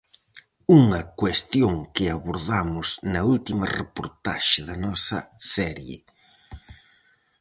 Unha cuestión que abordamos na última reportaxe da nosa serie.